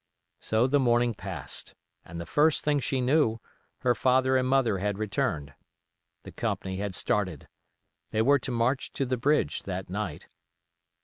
So the morning passed, and the first thing she knew, her father and mother had returned. The company had started. They were to march to the bridge that night.